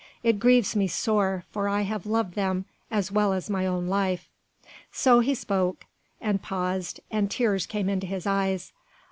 It grieves me sore, for I have loved them as well as my own life." So he spoke, and paused, and tears came into his eyes.